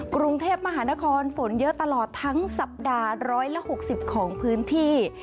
กรุงเทพมหานครฝนเยอะตลอดทั้งสัปดาห์๑๖๐ของพื้นที่